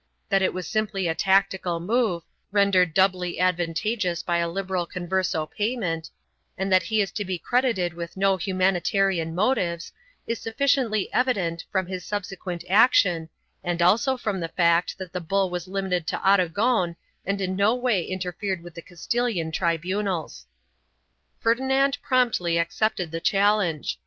That it was simply a tactical move — rendered doubly advantageous by liberal Converso payment — and that he is to be credited with no humani tarian motives, is sufficiently evident from his subsequent action and also from the fact that the bull was limited to Aragon and in no way interfered with the Castilian tribunals. Ferdinand promptly accepted the challenge.